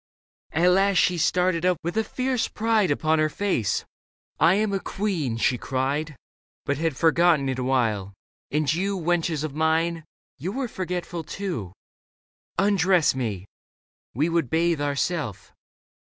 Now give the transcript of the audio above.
At last she started up with a fierce pride Upon her face. " I am a queen," she cried, " But had forgotten it a while ; and you. Wenches of mine, you were forgetful too. Undress me. We would bathe ourself."